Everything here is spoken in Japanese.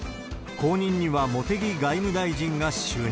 後任には茂木外務大臣が就任。